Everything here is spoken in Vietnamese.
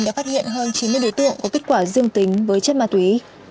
đã phát hiện hơn chín mươi đối tượng có kết quả dương tính với chất ma túy